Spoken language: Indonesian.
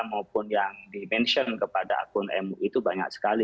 maupun yang dimention kepada akun mu itu banyak sekali